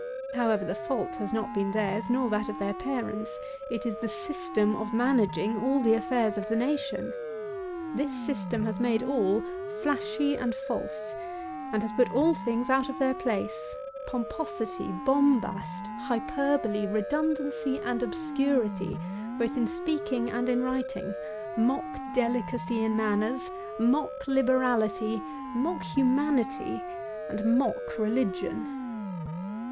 However, the fault has not been theirs, nor that of their parents. It is the system of managing the affairs of the nation. This system has made all flashy and false, and has put all things out of their place. Pomposity, bombast, hyperbole, redundancy, and obscurity, both in speaking and in writing; mock delicacy in manners; mock liberality, mock humanity, and mock religion.